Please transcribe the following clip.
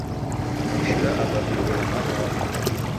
Ishira Aba vindo namanya wazughwa.